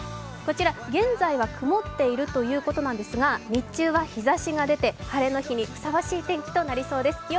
こちら現在は曇っているということなんですが、日中は日差しが出て、晴れの日にふさわしい天気になりそうです。